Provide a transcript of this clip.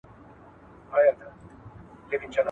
سرزوري کول څنګه خلګ له موږ څخه لیري کوي؟